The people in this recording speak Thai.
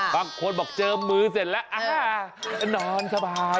บางคนบอกเจอมือเสร็จแล้วอ่านอนสบายรอเงินไหลมา